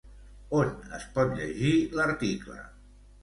On es pot llegir l'article?